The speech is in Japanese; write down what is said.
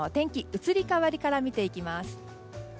移り変わりから見ていきます。